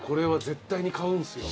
「絶対に買うんすよ」？